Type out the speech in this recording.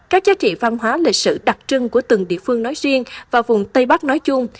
các giá trị văn hóa lịch sử đặc trưng của từng địa phương nói riêng và vùng tây bắc nói chung